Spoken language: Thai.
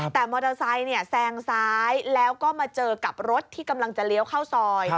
แต่มอเตอร์ไซค์แซงซ้ายแล้วก็มาเจอกับรถที่กำลังจะเลี้ยวเข้าซอย